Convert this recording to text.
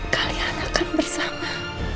kalian akan bersama